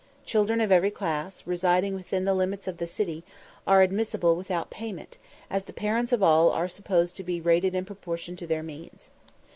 Children of every class, residing within the limits of the city, are admissible without payment, as the parents of all are supposed to be rated in proportion to their means.